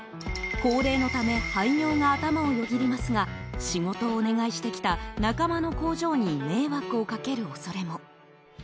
高齢のため廃業が頭をよぎりますが仕事をお願いしてきた仲間の工場に迷惑をかける恐れも。